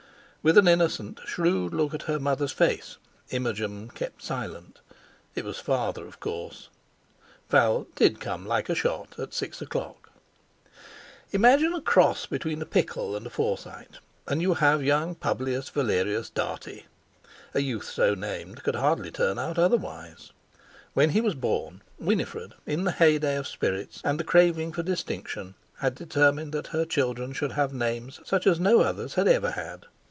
With an innocent shrewd look at her mother's face, Imogen kept silence. It was father, of course! Val did come "like a shot" at six o'clock. Imagine a cross between a pickle and a Forsyte and you have young Publius Valerius Dartie. A youth so named could hardly turn out otherwise. When he was born, Winifred, in the heyday of spirits, and the craving for distinction, had determined that her children should have names such as no others had ever had.